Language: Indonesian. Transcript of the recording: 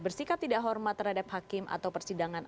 bersikap tidak hormat terhadap hakim atau persidangan